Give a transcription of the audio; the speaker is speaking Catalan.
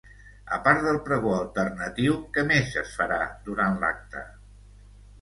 A part del pregó alternatiu, què més es farà durant lacte?